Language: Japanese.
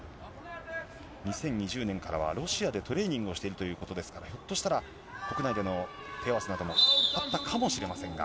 ２０２０年からは、ロシアでトレーニングをしているということですから、ひょっとしたら、国内での手合わせなどもあったかもしれませんが。